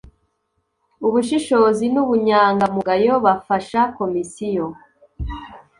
Ubushishozi n ubunyangamugayo bafasha komisiyo